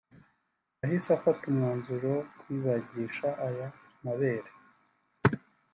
yahise afata umwanzuro wo kwibagisha aya mabere